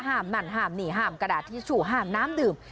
นั่นห้ามนี่ห้ามกระดาษทิชชู่ห้ามน้ำดื่ม